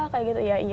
kayak gitu ya